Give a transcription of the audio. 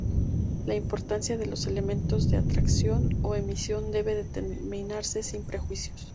La importancia de los elementos de atracción o emisión debe determinarse sin prejuicios.